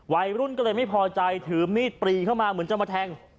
วัยรุ่นก็เลยไม่พอใจถือมีดปรีเข้ามาเหมือนจะมาแทง